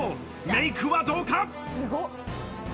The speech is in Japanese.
メイクはどうか？